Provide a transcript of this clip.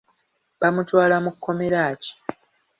Bamutwala mu kkomera ki?